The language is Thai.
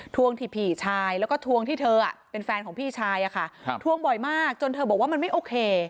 วงที่พี่ชายแล้วก็ทวงที่เธอเป็นแฟนของพี่ชายอะค่ะทวงบ่อยมากจนเธอบอกว่ามันไม่โอเค